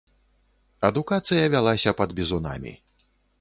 Адукацыя вялася пад бізунамі.